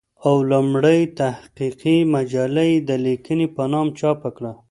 او لومړۍ تحقيقي مجله يې د "ليکنې" په نامه چاپ کړه